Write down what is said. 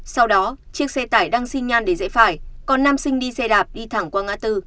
sau đó chiếc xe tải đang xin nhan để rễ phải còn nam sinh đi xe đạp đi thẳng qua ngã tư